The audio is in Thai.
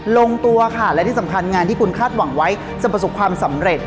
ลงตัวค่ะและที่สำคัญงานที่คุณคาดหวังไว้จะประสบความสำเร็จ